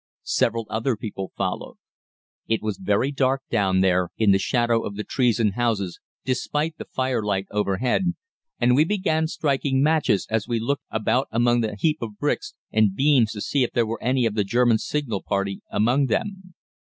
Several other people followed. It was very dark down there, in the shadow of the trees and houses, despite the fire light overhead, and we began striking matches as we looked about among the heaps of bricks and beams to see if there were any of the German signal party among them.